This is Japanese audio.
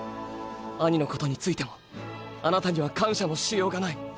兄のことについてもあなたには感謝のしようがない。